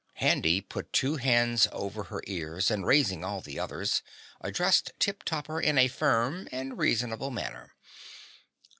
Handy put two hands over her ears and raising all the others, addressed Tip Topper in a firm and reasonable manner.